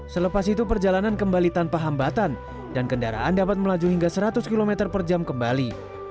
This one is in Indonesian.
selepas itu perjalanan kembali tanpa hambatan dan kendaraan dapat melaju hingga seratus km per jam kembali